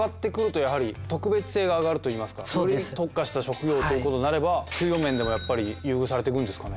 より特化した職業ということになれば給与面でもやっぱり優遇されてくんですかね。